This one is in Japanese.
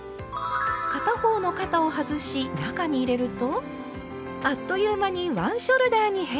片方の肩を外し中に入れるとあっという間にワンショルダーに変身。